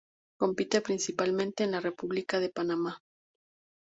Compite principalmente en la República de Panamá.